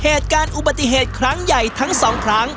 เหตุการณ์อุบัติเหตุครั้งใหญ่ทั้งสองครั้ง